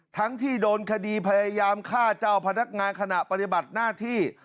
ทั้งที่โดนคดีพยายามฆ่าเจ้าพนักงานขณะปฏิบัติหน้าที่